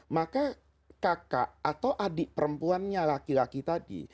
maka kakak atau adik perempuannya laki laki tadi